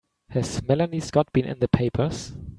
Has Melanie Scott been in the papers?